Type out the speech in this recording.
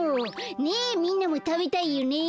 ねえみんなもたべたいよね？